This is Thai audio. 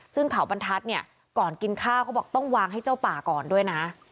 ซึ่งเขาบรรทัศน์เนี่ยก่อนกินข้าวเขาบอกต้องวางให้เจ้าป่าก่อนด้วยนะ